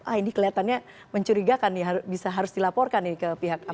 ah ini kelihatannya mencurigakan nih bisa harus dilaporkan nih ke pihak apa